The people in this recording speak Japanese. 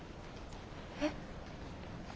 えっ。